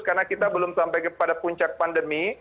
karena kita belum sampai kepada puncak pandemi